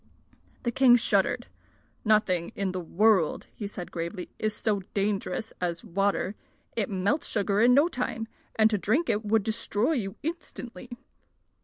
The king shuddered. "Nothing in the world," said he gravely, "is so dangerous as water. It melts sugar in no time, and to drink it would destroy you instantly."